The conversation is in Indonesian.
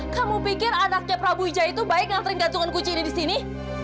kamu pikir anaknya prabu wijaya itu baik ngantri gantungan kunci ini di sini